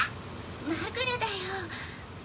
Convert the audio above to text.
まぐれだよ。